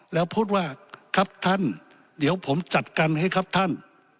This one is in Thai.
แล้วพูดว่าครับท่านเดี๋ยวผมจัดการให้ครับท่าน